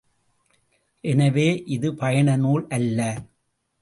எனவே இது பயண நூல் அல்ல.